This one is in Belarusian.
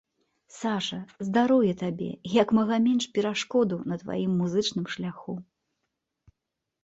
Саша, здароўя табе і як мага менш перашкодаў на тваім музычным шляху!